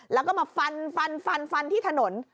แล้วก็มาฟันที่ถนน